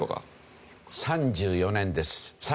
３４年です。